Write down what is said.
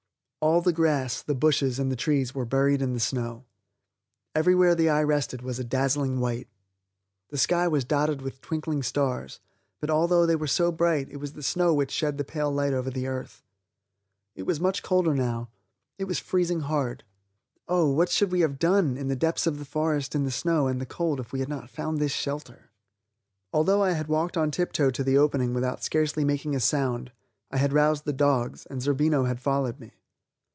All the grass, the bushes, and the trees were buried in snow. Everywhere the eye rested was a dazzling white. The sky was dotted with twinkling stars, but although they were so bright it was the snow which shed the pale light over the earth. It was much colder now; it was freezing hard. Oh! what should we have done in the depths of the forest in the snow and the cold if we had not found this shelter? Although I had walked on tiptoe to the opening without scarcely making a sound, I had roused the dogs, and Zerbino had followed me.